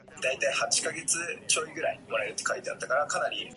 I would hesitate to include such comments in the press release.